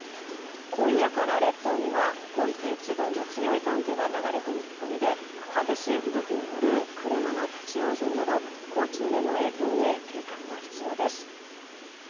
今夜から列島には今季一番の強い寒気が流れ込む見込みで激しい吹雪による車の立ち往生など交通への影響に警戒が必要です。